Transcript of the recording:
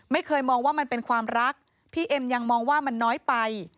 ไม่เคยมองว่ามันเป็นความรักพี่เอ็มยังมองว่ามันน้อยไป